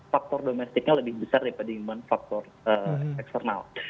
faktor domestiknya lebih besar daripada imun faktor eksternal